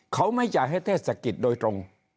เขาไม่จ่ายให้เทศกิจโดยตรง